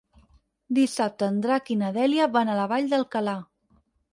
Dissabte en Drac i na Dèlia van a la Vall d'Alcalà.